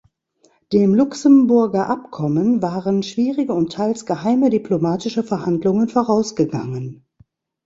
Dem Luxemburger Abkommen waren schwierige und teils geheime diplomatische Verhandlungen vorausgegangen.